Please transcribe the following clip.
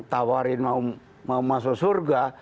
tawarin mau masuk surga